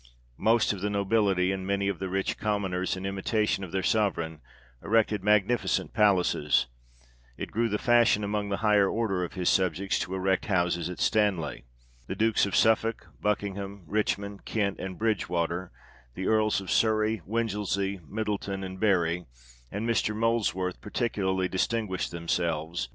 Most of the nobility, and many of the rich commoners, in imitation of their Sovereign, erected magnificent palaces ; it grew the fashion among the higher order of his subjects to erect houses at Stanley. The Dukes of Suffolk, Buckingham, Richmond, Kent, and Bridgewater, the Earls of Surrey, Winchelsea, Middleton and Bury, and Mr. Molesworth, particularly distinguished themselves by the splendour 1 Both erected in 1909.